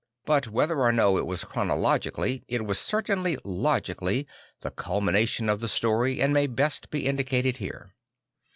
But \vhether or no it was chronologically it \vas certainly logically the culmination of the story, and may best be indicated here.